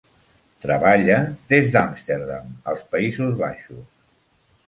Treballa des d'Àmsterdam, als Països Baixos.